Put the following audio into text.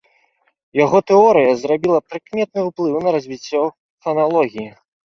Яго тэорыя зрабіла прыкметны ўплыў на развіццё фаналогіі.